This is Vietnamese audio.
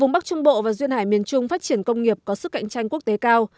vùng bắc trung bộ và duyên hải miền trung phát triển công nghiệp có sức cạnh tranh quốc tế cao